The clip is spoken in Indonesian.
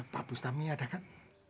pak bustami ada kan